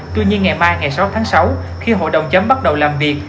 tuy nhiên ngày mai ngày sáu tháng sáu khi hội đồng chấm bắt đầu làm việc